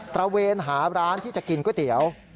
ระเวนหาร้านที่จะกินก๋วยเตี๋ยว